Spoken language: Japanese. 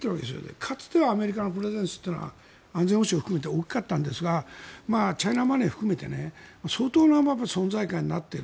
かつてはアメリカのプレゼンスというのは安全保障を含めて大きかったんですがチャイナマネーを含めて相当な存在感になっている。